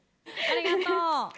ありがとう。